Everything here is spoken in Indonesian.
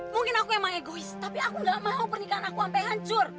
mungkin aku emang egois tapi aku gak mau pernikahan aku sampai hancur